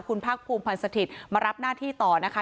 คุณภาคภูมิพันธ์สถิตย์มารับหน้าที่ต่อนะคะ